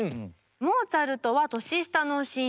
モーツァルトは年下の親友。